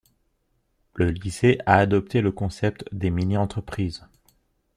Le lycée a adopté le concept des mini-entreprises.